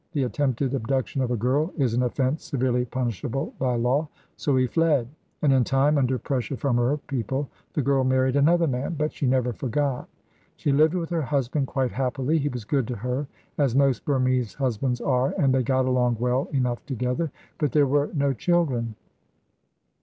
The attempted abduction of a girl is an offence severely punishable by law, so he fled; and in time, under pressure from her people, the girl married another man; but she never forgot. She lived with her husband quite happily; he was good to her, as most Burmese husbands are, and they got along well enough together. But there were no children.